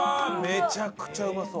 めちゃくちゃうまそう。